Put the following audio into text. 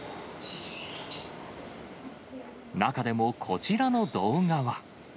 中でも、こちらの動画は。